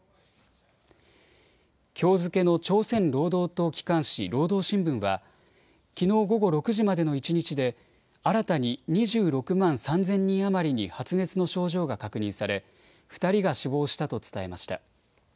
きょう付けの朝鮮労働党機関紙、労働新聞はきのう午後６時までの一日で新たに２６万３０００人余りに発熱の症状が確認され２人が死亡したと伝えました。